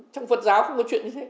trong phật giáo không có chuyện như thế